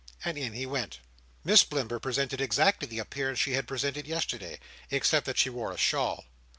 And in he went. Miss Blimber presented exactly the appearance she had presented yesterday, except that she wore a shawl.